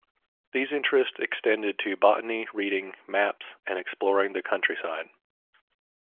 These interests extended to botany, reading, maps, and exploring the countryside.